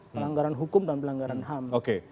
pelanggaran hukum dan pelanggaran ham